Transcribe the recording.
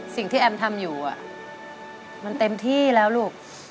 สิ่งที่แอมทำอยู่มันเต็มที่แล้วลูก